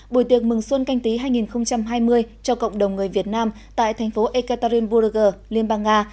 buổi tiệc mừng xuân canh tí hai nghìn hai mươi cho cộng đồng người việt nam tại thành phố ekaterinburg liên bang nga